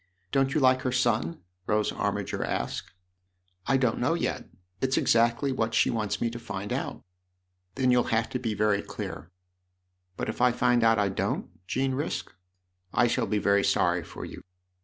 Don't you like her son ?" Rose Armiger asked. " I don't know yet ; it's exactly what she wants me to find out." " Then you'll have to be very clear." " But if I find out I don't ?" Jean risked. " I shall be very sorry for you